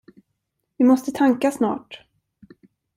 Vi måste tanka snart.